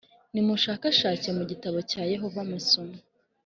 Nimushakashake mu gitabo cya Yehova musome